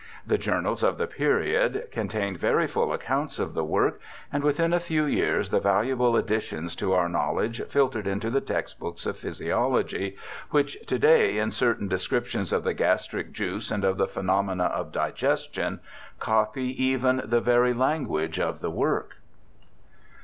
The journals of the period contained very full accounts of the work, and within a few years the valuable additions to our know ledge filtered into the textbooks of physiology, which to day in certain descriptions of the gastric juice and of the phenomena of digestion copy even the very language of the work.